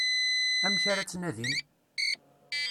Amek ara t-nadin?